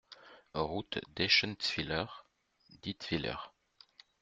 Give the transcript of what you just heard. Route d'Eschentzwiller, Dietwiller